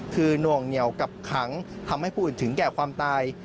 คือหน่วงเหนียวกับขังทำให้ผู้อื่นถึงแก่ความตาย